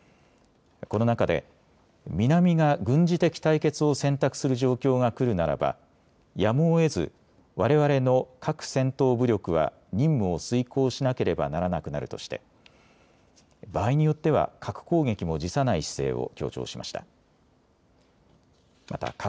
この中で南が軍事的対決を選択する状況が来るならばやむをえずわれわれの核戦闘武力は任務を遂行しなければならなくなるとして場合によっては核攻撃も辞さない姿勢を強調しました。